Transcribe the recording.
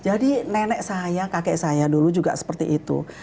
jadi nenek saya kakek saya dulu juga seperti itu